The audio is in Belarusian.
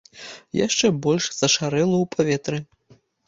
Яшчэ больш зашарэла ў паветры.